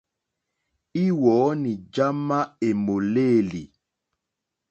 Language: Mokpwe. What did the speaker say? Íwɔ̌ní já má èmòlêlì.